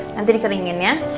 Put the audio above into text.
nanti dikeringin ya